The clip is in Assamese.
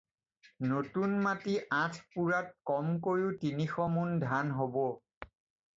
নতুন মাটি আঠ পূৰাত কমকৈও তিনিশ মোন ধান হ'ব।